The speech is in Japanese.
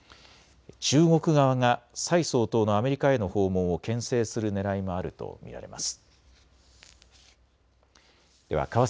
中国側が蔡総統のアメリカへの訪問をけん制するねらいもあると見られます。